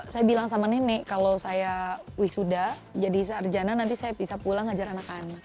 saya bilang sama nenek kalau saya wisuda jadi sarjana nanti saya bisa pulang ngajar anak anak